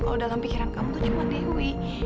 kalau dalam pikiran kamu tuh cuma dewi